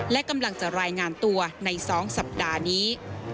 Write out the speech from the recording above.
และกำลังจะรายงานตัวใน๒สัปดาห์นี้